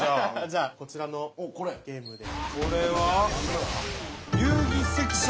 じゃあこちらのゲームで。